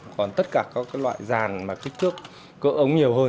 còn tất cả các loại giàn mà kích thước cỡ ống nhiều hơn